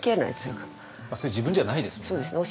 それ自分じゃないですもんね。